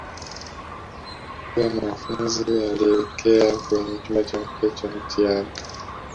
kila mwanafunzi alielekea kwenye chumba chake cha mtihani